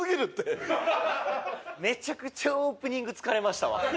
めちゃくちゃオープニング疲れましたわ。